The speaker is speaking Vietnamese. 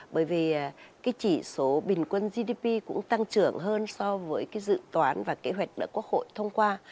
bởi vì chỉ số bình quân gdp cũng tăng trưởng hơn so với dự toán và kế hoạch quốc hội thông qua